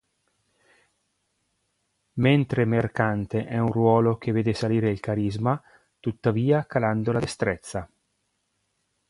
Mentre mercante è un ruolo che vede salire il carisma, tuttavia calando la destrezza.